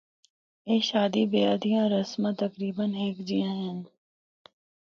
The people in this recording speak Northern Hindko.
اے شادی بیاہ دیاں رسماں تقریبا ہک جیاں ہن۔